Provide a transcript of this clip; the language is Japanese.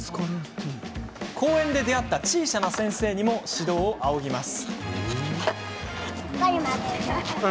公園で出会った小さな先生にも指導を仰ぎます。